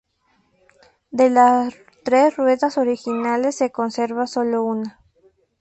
De las tres ruedas originales, se conserva solo una.